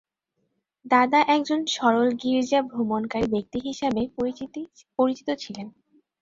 দাদা একজন সরল গির্জা ভ্রমণকারী ব্যক্তি হিসাবে পরিচিত ছিলেন।